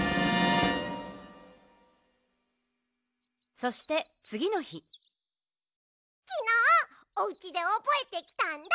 そしてつぎのひきのうおうちでおぼえてきたんだ！